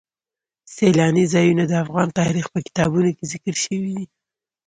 سیلانی ځایونه د افغان تاریخ په کتابونو کې ذکر شوی دي.